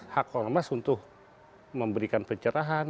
hak ormas untuk memberikan pencerahan